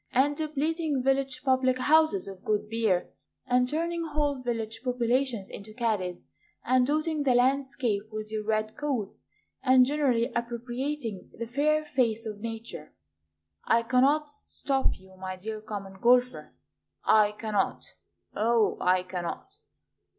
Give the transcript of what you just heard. And depleting village public houses of good beer, And turning whole village populations into caddies, And dotting the landscape with your red coats, And generally appropriating the fair face of Nature. I cannot stop you, my dear Common Golfer, I cannot, O I cannot!